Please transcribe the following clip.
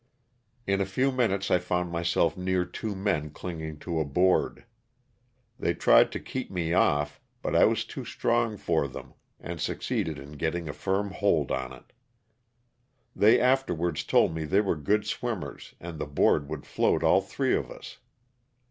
In a few minutes I found myself near two men clinging to a board. They tried to keep me off, but I was too strong for them and succeeded in getting a firm hold on it. They afterwards told me they were good swimmers and the board would float all three of us.